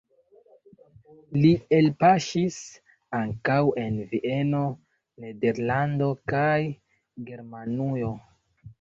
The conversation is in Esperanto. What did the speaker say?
Li elpaŝis ankaŭ en Vieno, Nederlando kaj Germanujo.